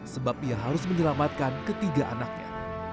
sebab ia harus menyelamatkan ketiga anaknya